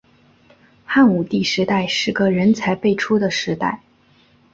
汉武帝时代是个人才辈出的时代。